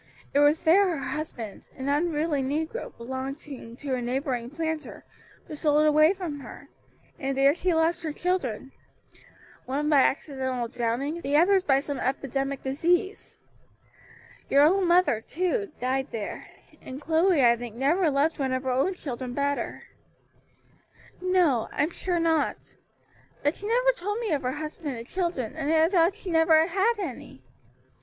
it was there her husband an unruly negro belonging to a neighboring planter was sold away from her, and there she lost her children, one by accidental drowning, the others by some epidemic disease. Your own mother, too, died there, and Chloe I think never loved one of her own children better." "No, I'm sure not. But she never told me of her husband and children, and I thought she had never had any.